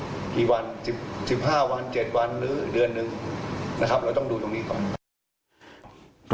เดือนนึงนะครับเราต้องดูตรงนี้ก่อน